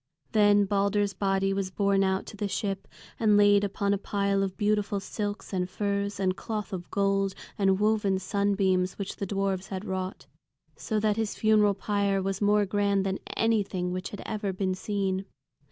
Then Balder's body was borne out to the ship and laid upon a pile of beautiful silks, and furs, and cloth of gold, and woven sunbeams which the dwarfs had wrought. So that his funeral pyre was more grand than anything which had ever been seen.